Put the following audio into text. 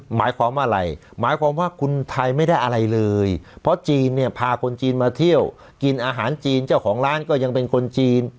หมายความว่าอะไรหมายความว่าคุณไทยไม่ได้อะไรเลยเพราะจีนเนี่ยพาคนจีนมาเที่ยวกินอาหารจีนเจ้าของร้านก็ยังเป็นคนจีน